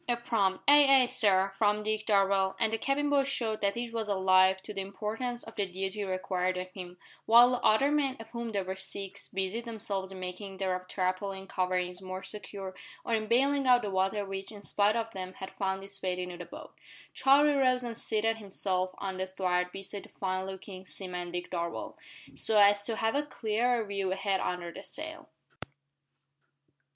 A prompt "Ay, ay, sir" from Dick Darvall and the cabin boy showed that each was alive to the importance of the duty required of him, while the other men of whom there were six busied themselves in making the tarpaulin coverings more secure, or in baling out the water which, in spite of them, had found its way into the boat. Charlie rose and seated himself on the thwart beside the fine looking seaman Dick Darvall, so as to have a clearer view ahead under the sail.